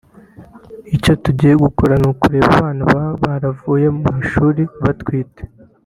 Icyo tugiye gukora ni ukureba abana baba baravuye mu ishuri batwite